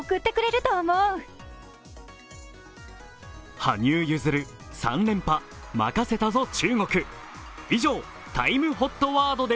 羽生結弦、３連覇、任せたぞ中国。